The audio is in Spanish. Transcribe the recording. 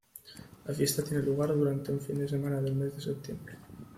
La fiesta tiene lugar durante un fin de semana del mes de septiembre.